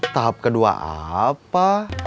tahap kedua apa